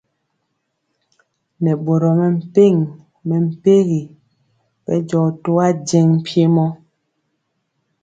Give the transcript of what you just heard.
Nɛ boro mepempɔ mɛmpegi bɛndiɔ toajeŋg mpiemɔ.